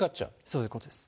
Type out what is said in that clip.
そういうことです。